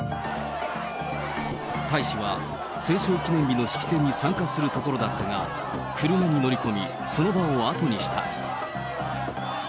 大使は戦勝記念日の式典に参加するところだったが、車に乗り込み、その場を後にした。